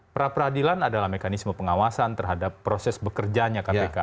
pra peradilan adalah mekanisme pengawasan terhadap proses bekerjanya kpk